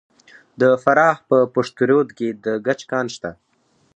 د فراه په پشت رود کې د ګچ کان شته.